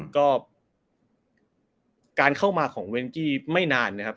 ก็การเข้ามาของเวนกี้ไม่นานนะครับ